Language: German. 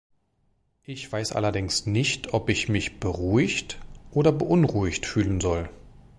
Ich weiß allerdings nicht, ob ich mich beruhigt oder beunruhigt fühlen soll.